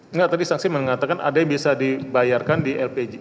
enggak tadi saksi mengatakan ada yang bisa dibayarkan di lpg